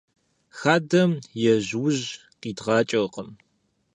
Хадэм ежьужь къидгъакӀэркъым.